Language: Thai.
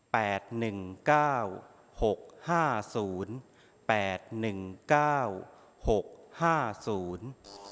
หนึ่งเก้าหกห้าศูนย์แปดหนึ่งเก้าหกห้าศูนย์